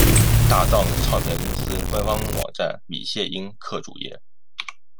大藏唱片公司官方网站米线音客主页